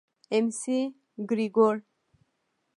اېم سي ګرېګور.